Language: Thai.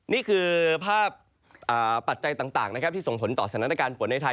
นี่คือภาพปัจจัยต่างนะครับที่ส่งผลต่อสถานการณ์ฝนในไทย